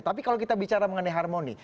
tapi kalau kita bicara mengenai harmoni